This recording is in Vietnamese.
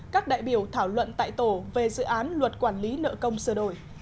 các đại biểu thảo luận tại tổ về dự án luật quản lý nợ công sửa đổi